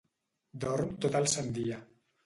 Dorm tot el sant dia.